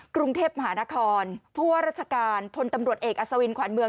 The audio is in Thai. กรุงเทพมหานครผู้ว่าราชการพลตำรวจเอกอัศวินขวานเมือง